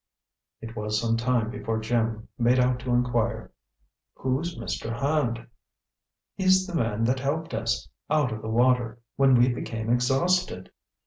It was some time before Jim made out to inquire, "Who's Mr. Hand?" "He's the man that helped us out of the water when we became exhausted."